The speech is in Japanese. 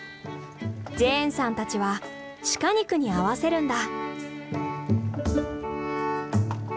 ジェーンさんたちはシカ肉に合わせるんだ。